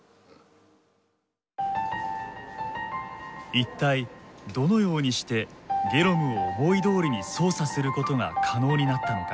一体どのようにしてゲノムを思いどおりに操作することが可能になったのか。